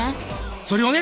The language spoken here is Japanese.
それをね